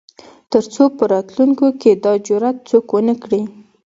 تر څو په راتلونکو کې دا جرات څوک ونه کړي.